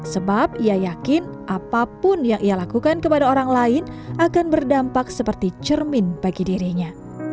sebab ia yakin apapun yang ia lakukan kepada orang lain akan berdampak seperti cermin bagi dirinya